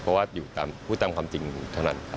เพราะว่าอยู่พูดตามความจริงเท่านั้นครับ